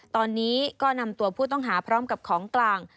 ตอนนี้ก็นำตัวผู้ต้องหาพร้อมกับของกลาง